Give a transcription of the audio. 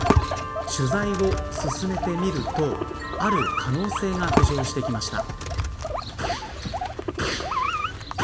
取材を進めてみるとある可能性が浮上してきました。